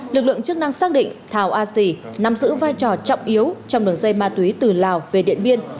lực lượng chức năng xác định thảo a sì nằm giữ vai trò trọng yếu trong đường dây ma túy từ lào về điện biên